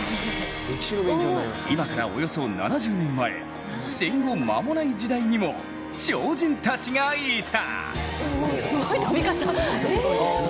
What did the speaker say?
今からおよそ７０年前、戦後間もない時代にも超人たちがいた。